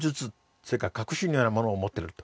それから確信のようなものを持ってると。